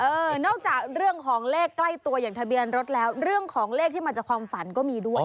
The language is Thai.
นอกจากเรื่องของเลขใกล้ตัวอย่างทะเบียนรถแล้วเรื่องของเลขที่มาจากความฝันก็มีด้วย